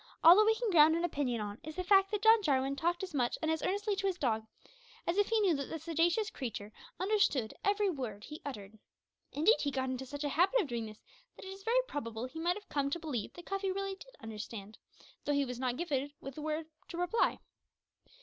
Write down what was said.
All that we can ground an opinion on is the fact that John Jarwin talked as much and as earnestly to his dog as if he knew that that sagacious creature understood every word he uttered. Indeed, he got into such a habit of doing this, that it is very probable he might have come to believe that Cuffy really did understand, though he was not gifted with the power to reply.